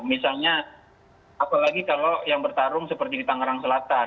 misalnya apalagi kalau yang bertarung seperti di tangerang selatan